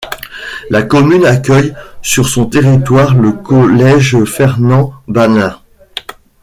La commune accueille sur son territoire le collège Fernand-Balin.